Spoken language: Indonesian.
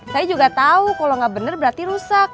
saya juga tau kalo engga bener berarti rusak